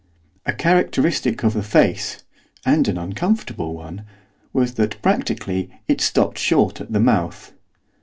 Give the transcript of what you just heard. A characteristic of the face and an uncomfortable one! was that, practically, it stopped short at the mouth.